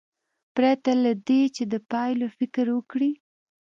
پرته له دې چې د پایلو فکر وکړي.